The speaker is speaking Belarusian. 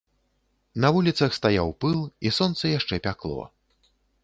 На вуліцах стаяў пыл, і сонца яшчэ пякло.